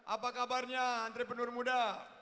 apa kabarnya antrepenur muda